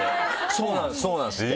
そうなんですって。